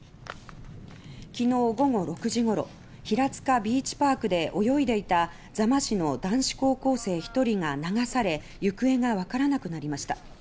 昨日午後６時ごろひらつかビーチパークで泳いでいた座間市の男子高校生１人が流され行方がわからなくりました。